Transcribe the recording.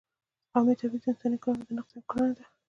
قومي تبعیض د انساني کرامت د نقض یوه کړنه ده.